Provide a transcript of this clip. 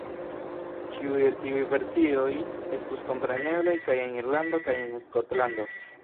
Ĉiuj el tiuj versioj estus kompreneblaj kaj en Irlando kaj en Skotlando.